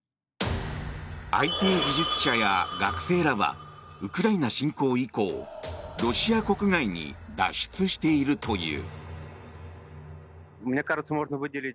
ＩＴ技術者や学生らはウクライナ侵攻以降ロシア国外に脱出しているという。